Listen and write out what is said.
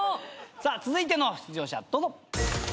さあ続いての出場者どうぞ。